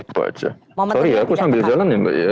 sorry aku sambil jalan ya mbak